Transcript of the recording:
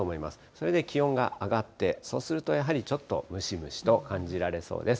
それで気温が上がって、そうするとやはり、ちょっとムシムシと感じられそうです。